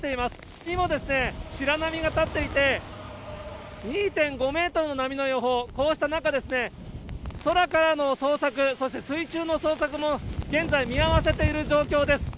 そして、波も白波が立っていて、２．５メートルの波の予報、こうした中、空からの捜索、そして水中の捜索も、現在、見合わせている状況です。